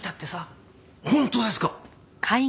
本当ですか！